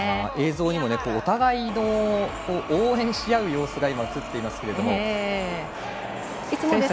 映像にもお互いの応援し合う様子が映っていますけれども。